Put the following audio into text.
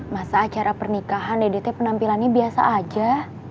masa acara pernikahan dede teh penampilannya biasa aja